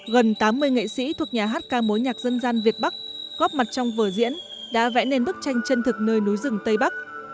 gần tám mươi nghệ sĩ thuộc nhà hát ca mối nhạc dân gian việt bắc góp mặt trong vở diễn đã vẽ nên bức tranh chân thực nơi núi rừng tây bắc